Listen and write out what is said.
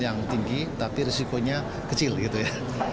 yang tinggi tapi risikonya kecil gitu ya